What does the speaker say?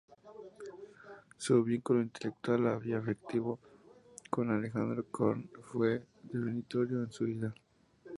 Su vínculo intelectual y afectivo con Alejandro Korn fue definitorio en su vida.